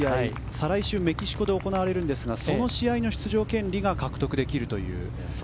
再来週メキシコで行われるんですがその試合の出場権利を獲得できます。